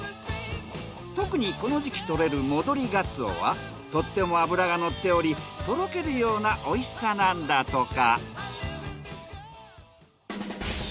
特にこの時期獲れる戻りガツオはとっても脂がのっておりとろけるようなおいしさなんだとか。